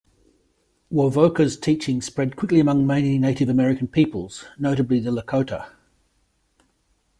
Wovoka's teachings spread quickly among many Native American peoples, notably the Lakota.